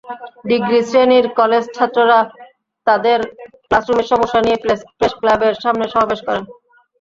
Degree শ্রেণির কলেজছাত্ররা তাঁদের ক্লাসরুমের সমস্যা নিয়ে প্রেসক্লাবের সামনে সমাবেশ করেন।